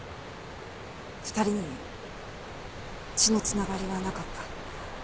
２人に血の繋がりはなかった。